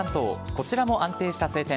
こちらも安定した晴天。